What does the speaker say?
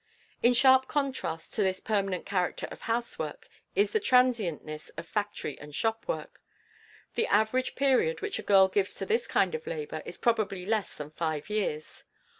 In sharp contrast to this permanent character of housework is the transientness of factory and shop work. The average period which a girl gives to this kind of labor is probably less than five years.